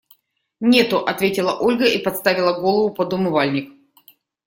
Нету, – ответила Ольга и подставила голову под умывальник.